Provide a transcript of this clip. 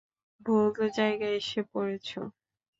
ভুল জায়গায় এসে পড়েছো।